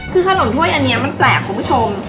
คือขนมถ้วยอันนี้มันแปลกคุณผู้ชม